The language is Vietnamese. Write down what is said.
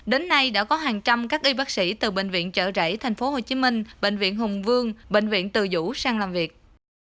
đến nay đã có hàng trăm các y bác sĩ từ bệnh viện trợ rẫy tp hcm bệnh viện hùng vương bệnh viện từ dũ sang làm việc